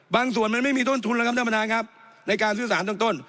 บางส่วนมันไม่มีทุนทุนแล้วครับในการซื่อสารตั้งต้น